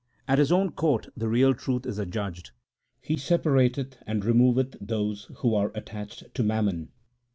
At His own court the real truth is adjudged ; He separateth and removeth those who are attached to mammon.